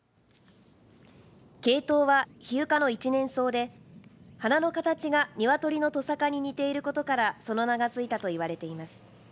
ケイトウはヒユ科の一年草で花の形が鶏のとさかに似ていることからその名が付いたと言われています。